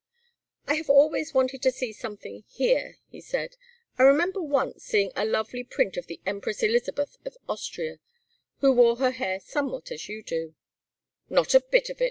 "I have always wanted to see something here," he said. "I remember once seeing a lovely print of the Empress Elizabeth of Austria, who wore her hair somewhat as you do " "Not a bit of it.